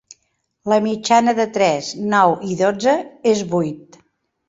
La mitjana de tres, nou i dotze és vuit.